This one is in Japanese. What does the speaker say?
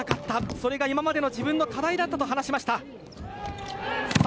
それが今までの自分の課題だったと話しました。